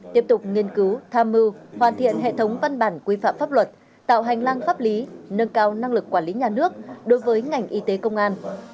tiếp tục nghiên cứu tham mưu hoàn thiện hệ thống văn bản quy phạm pháp luật tạo hành lang pháp lý nâng cao năng lực quản lý nhà nước đối với ngành y tế công an